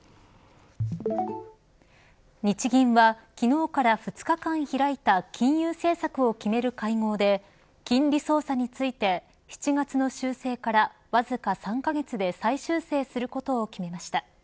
日銀は、昨日から２日間開いた金融政策を決める会合で金利操作について７月の修正からわずか３カ月で再修正することを決めました。